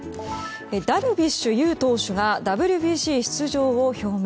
ダルビッシュ有投手がＷＢＣ出場を表明。